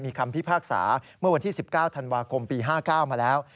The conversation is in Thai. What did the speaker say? มีคำพิพากษาเมื่อวันที่๑๙ธันวาคมปี๕๙มาแล้ว